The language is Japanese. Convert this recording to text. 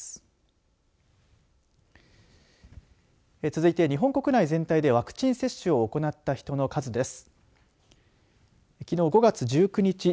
続いて、日本国内全体でワクチン接種を行った人の数です。